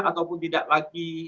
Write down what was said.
ataupun tidak lagi